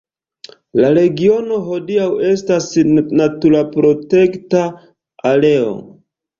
La regiono hodiaŭ estas naturprotekta areo.